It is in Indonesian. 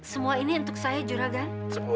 semua ini untuk saya juragan